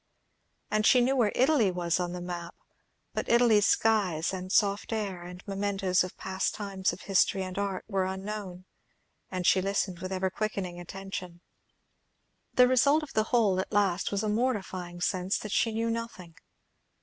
And she knew where Italy was on the map; but Italy's skies, and soft air, and mementos of past times of history and art, were unknown; and she listened with ever quickening attention. The result of the whole at last was a mortifying sense that she knew nothing.